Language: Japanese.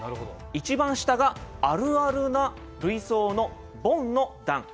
一番下があるあるな類想のボンの段。